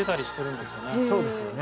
そうですよね。